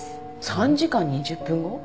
３時間２０分後？